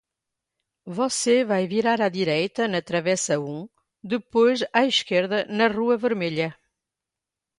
Você vai virar à direita, na Travessa um, depois à esquerda na Rua Vermelha.